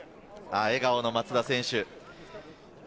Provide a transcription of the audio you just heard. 笑顔の松田選手。